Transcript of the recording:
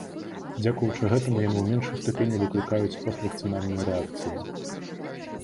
Дзякуючы гэтаму, яны ў меншай ступені выклікаюць поствакцынальныя рэакцыі.